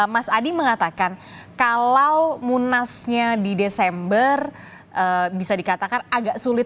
mas adi mengatakan kalau munasnya di desember bisa dikatakan agak sulit